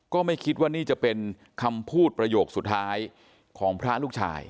ก็ไม่คิดว่านี่จะเป็นคำพูดประโยคสุดท้ายของพระลูกชาย